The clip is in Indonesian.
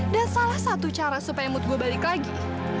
dan salah satu cara supaya mood gue balik lagi